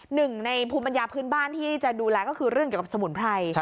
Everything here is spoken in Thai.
หนึ่งในภูมิปัญญาพื้นบ้านที่จะดูแลก็คือเรื่องเกี่ยวกับสมุนไพร